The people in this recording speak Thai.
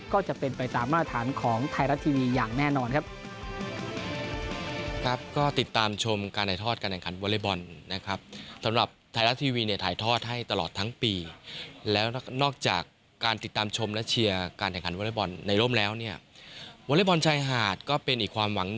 ก็จะเป็นไปตามมาตรฐานของไทยรัฐทีวีอย่างแน่นอนครับ